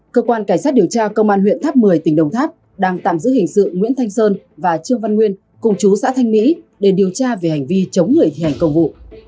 cơ quan cảnh sát điều tra công an huyện tháp một mươi tỉnh đồng tháp đang tạm giữ hình sự nguyễn thanh sơn và trương văn nguyên cùng chú xã thanh mỹ để điều tra về hành vi chống người thi hành công vụ